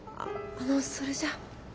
あのそれじゃ。